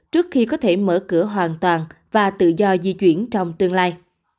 trước khi có thể mở cửa hoàn toàn và tự do di chuyển trong tương lai